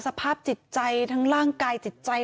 สภาพจิตใจทั้งร่างกายจิตใจ